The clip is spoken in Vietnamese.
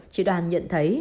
chị đoan nhận thấy